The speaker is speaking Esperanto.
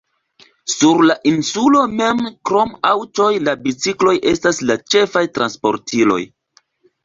Sur la insulo mem krom aŭtoj la bicikloj estas la ĉefaj transportiloj.